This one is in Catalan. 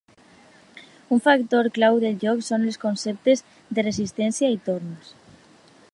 Un factor clau del joc són els conceptes de "resistència" i "torns".